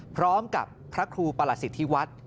พร้อมกับพระครูประหลสิทธิวัฒน์